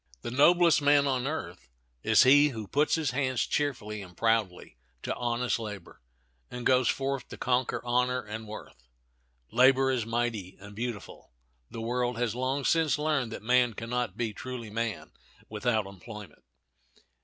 The noblest man on earth is he who puts his hands cheerfully and proudly to honest labor, and goes forth to conquer honor and worth. Labor is mighty and beautiful. The world has long since learned that man can not be truly man without employment.